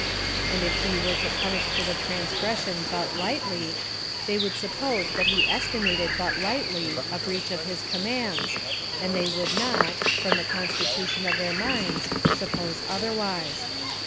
And if he were to punish for the transgression but lightly, they would suppose that he estimated but lightly a breach of his commands, and they could not, from the consti tution of their minds, suppose otherwise.